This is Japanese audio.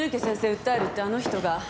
訴えるってあの人が？